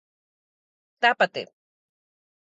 Tápate!